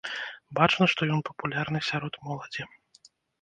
Бачна, што ён папулярны сярод моладзі.